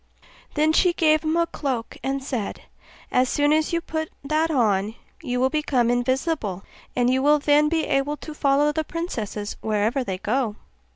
Then she gave him a cloak, and said, 'As soon as you put that on you will become invisible, and you will then be able to follow the princesses wherever they go.